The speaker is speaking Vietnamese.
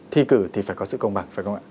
thi cử thì phải có sự công bằng phải không ạ